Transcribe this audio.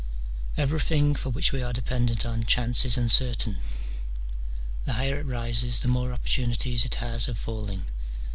Everything for which we are dependent on chance is uncertain : the higher it rises, the more opportunities it has of falling.